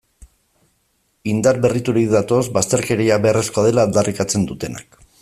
Indar berriturik datoz bazterkeria beharrezkoa dela aldarrikatzen dutenak.